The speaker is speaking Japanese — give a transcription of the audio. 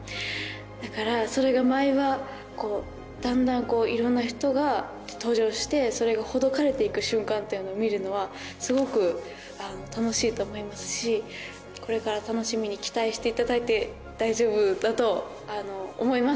だからそれが毎話だんだんいろんな人が登場してそれがほどかれて行く瞬間っていうのを見るのはすごく楽しいと思いますしこれから楽しみに期待していただいて大丈夫だと思います。